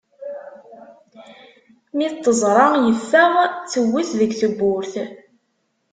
Mi t-teẓra yeffeɣ, tewwet deg tewwurt.